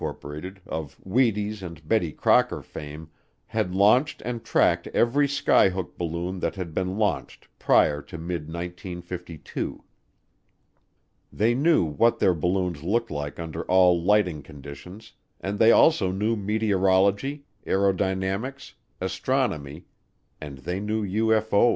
of Wheaties and Betty Crocker fame, had launched and tracked every skyhook balloon that had been launched prior to mid 1952. They knew what their balloons looked like under all lighting conditions and they also knew meteorology, aerodynamics, astronomy, and they knew UFO's.